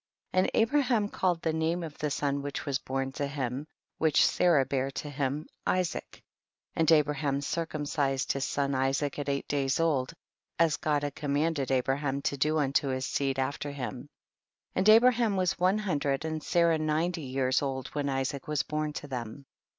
2. And Abraham called the name of the son which was born to him, which Sarah bare to him, Isaac. 3. And Abraham circumcised his son Isaac at eight days old, as God had commanded Abraham to do unto his seed after him ; and Abra ham was one hundred, and Sarah ninety years old, when Isaac was born to "them.